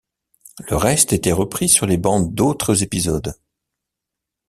Le reste était repris sur les bandes d'autres épisodes.